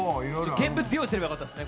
現物、用意すればよかったですね。